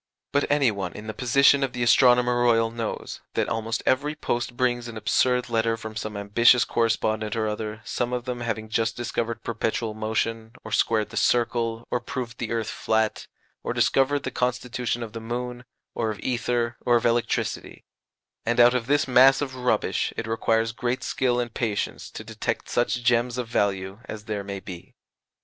But any one in the position of the Astronomer Royal knows that almost every post brings an absurd letter from some ambitious correspondent or other, some of them having just discovered perpetual motion, or squared the circle, or proved the earth flat, or discovered the constitution of the moon, or of ether, or of electricity; and out of this mass of rubbish it requires great skill and patience to detect such gems of value as there may be.